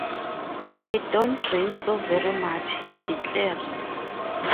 "I don't drink so very much," he declared.